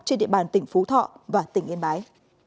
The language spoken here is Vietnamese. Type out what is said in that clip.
trên địa bàn tỉnh phú thọ và tỉnh yên bái